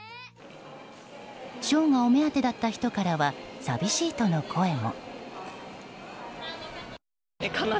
ショーがお目当てだった人からは寂しいとの声も。